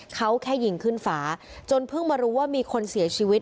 เขาแค่ยิงขึ้นฟ้าจนเพิ่งมารู้ว่ามีคนเสียชีวิต